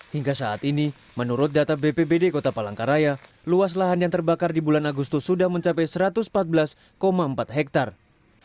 hingga saat ini menurut data bpbd kota palangkaraya luas lahan yang terbakar di bulan agustus sudah mencapai satu ratus empat belas empat hektare